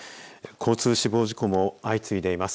交通死亡事故も相次いでいます。